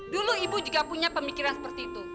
dulu ibu juga punya pemikiran seperti itu